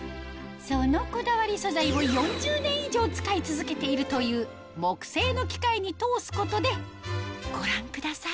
そのこだわり素材を４０年以上使い続けているという木製の機械に通すことでご覧ください